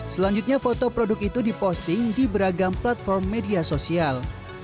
selanjutnya foto produk itu diposting di beragam platform media sosial